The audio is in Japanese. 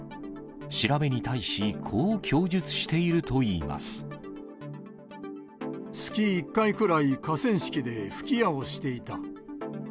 調べに対し、月１回くらい、河川敷で吹き矢をしていた。